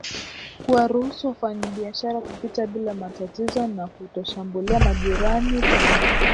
kuwaruhusu wafanyabiashara kupita bila matatizo na kutoshambulia majirani tena